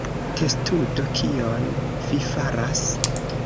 Testudo: "Kion vi faras?"